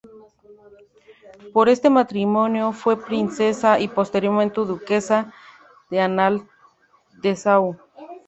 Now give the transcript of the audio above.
Por este matrimonio fue Princesa y posteriormente Duquesa de Anhalt-Dessau.